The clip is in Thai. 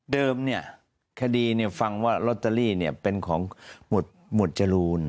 เดิมเนี่ยคดีฟังว่าลอตเตอรี่เนี่ยเป็นของหมวดจรู